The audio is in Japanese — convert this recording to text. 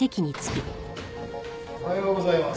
おはようございます。